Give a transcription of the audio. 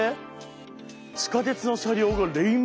地下鉄の車両がレインボーカラー。